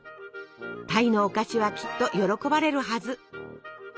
鯛のお菓子はきっと喜ばれるはず。